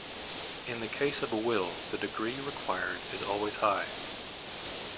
In the case of a will the degree required is always high.